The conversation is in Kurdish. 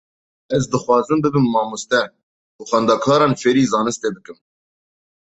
Ez dixwazim bibim mamoste û xwendekaran fêrî zanistê bikim.